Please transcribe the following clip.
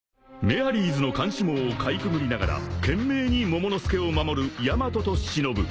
［メアリーズの監視網をかいくぐりながら懸命にモモの助を守るヤマトとしのぶ］